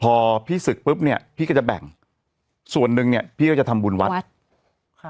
พอพี่ศึกปุ๊บเนี่ยพี่ก็จะแบ่งส่วนหนึ่งเนี้ยพี่ก็จะทำบุญวัดค่ะ